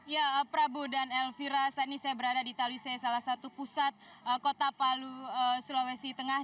ya prabu dan elvira saat ini saya berada di talise salah satu pusat kota palu sulawesi tengah